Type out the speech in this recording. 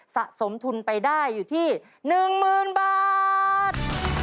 สะสมทุนไปได้อยู่ที่๑๐๐๐บาท